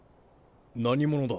何者だ。